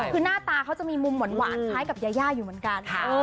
คือหน้าตาเขาจะมีมุมหวานคล้ายกับยายาอยู่เหมือนกัน